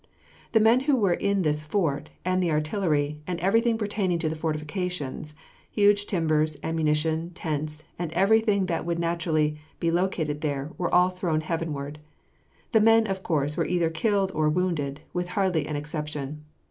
The men who were in this fort, and the artillery, and everything pertaining to the fortifications, huge timbers, ammunition, tents, and everything that would be naturally located there, were all thrown heavenward. The men, of course, were either killed or wounded, with hardly an exception.